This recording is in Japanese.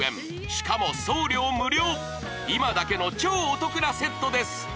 しかも送料無料今だけの超お得なセットです